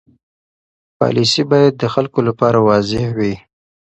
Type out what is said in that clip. پالیسي باید د خلکو لپاره واضح وي.